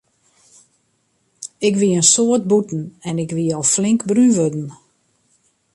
Ik wie in soad bûten en ik wie al flink brún wurden.